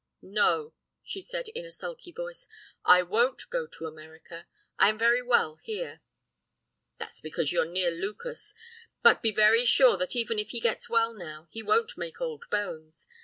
"'No,' said she, in a sulky voice, 'I won't go to America I am very well here.' "'That's because you're near Lucas. But be very sure that even if he gets well now, he won't make old bones.